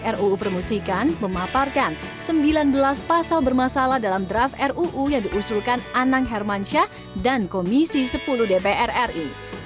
ruu permusikan dan komisi sepuluh dpr ri